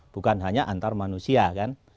bukan hanya antar manusia kan